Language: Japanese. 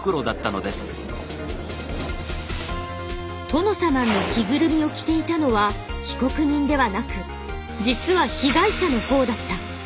トノサマンの着ぐるみを着ていたのは被告人ではなく実は被害者の方だった。